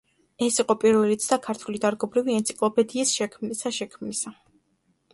ეს იყო პირველი ცდა ქართული დარგობრივი ენციკლოპედიის შექმნისა შექმნისა.